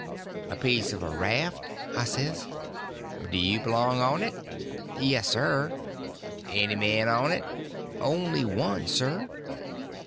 "A piece of a raft," I says. "Do you belong on it?" "Yes, sir." "Any men on it?" "Only one, sir."